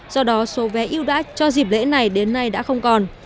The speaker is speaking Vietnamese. do đó số vé yêu đã cho dịp lễ này đến nay đã không còn